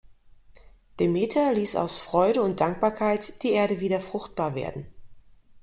Demeter ließ aus Freude und Dankbarkeit die Erde wieder fruchtbar werden.